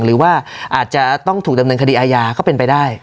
หรือว่าอาจจะต้องถูกดำเนินคดีอาญาก็เป็นไปได้